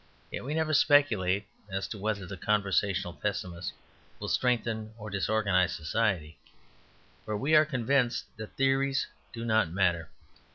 Yet we never speculate as to whether the conversational pessimist will strengthen or disorganize society; for we are convinced that theories do not matter.